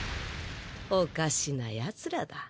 おかしなヤツらだ。